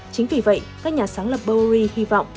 chính vì vậy các nhà sáng lập bowery hy vọng